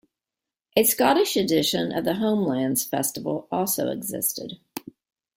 A Scottish edition of the Homelands festival also existed.